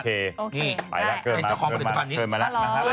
เราไปแล้วเกิดมาเกิดมา